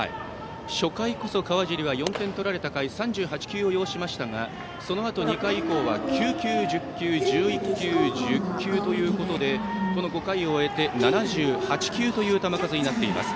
初回こそ川尻は４点を取られた回３８球を要しましたがそのあと、２回以降は９球、１０球、１１球１０球ということでこの５回を終えて７８球という球数になっています。